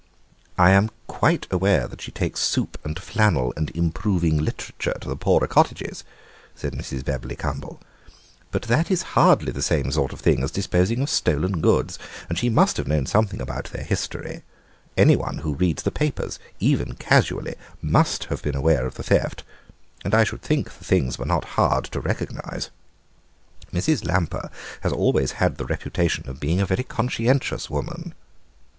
"I am quite aware that she takes soup and flannel and improving literature to the poorer cottagers," said Mrs. Bebberly Cumble, "but that is hardly the same sort of thing as disposing of stolen goods, and she must have known something about their history; anyone who reads the papers, even casually, must have been aware of the theft, and I should think the things were not hard to recognise. Mrs. Lamper has always had the reputation of being a very conscientious woman."